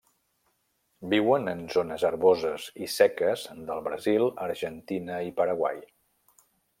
Viuen en zones herboses i seques del Brasil, Argentina i Paraguai.